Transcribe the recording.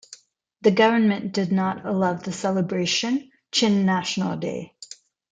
The government did not allow the celebration Chin National Day.